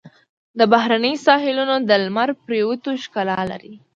د بحرین ساحلونه د لمر پرېوتو ښکلا لري.